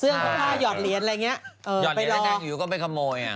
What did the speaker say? เสื้อผ้าหยอดเหรียญอะไรอย่างนี้